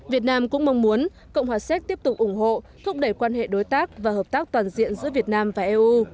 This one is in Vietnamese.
việt nam cũng mong muốn cộng hòa séc tiếp tục ủng hộ thúc đẩy quan hệ đối tác và hợp tác toàn diện giữa việt nam và eu